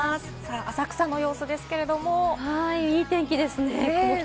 浅草の様子ですけれども、いい天気ですね。